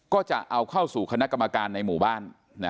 ก็จะเอาเข้าสู่คณะกรรมการในหมู่บ้าน